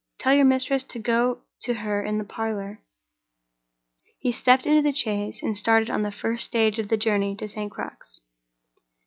"Tell your mistress to go to her in the parlor." He stepped into the chaise, and started on the first stage of the journey to St. Crux.